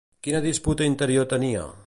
Quina disputa interior tenia?